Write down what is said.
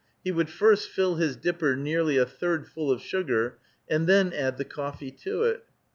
He would first fill his dipper nearly a third full of sugar, and then add the coffee to it.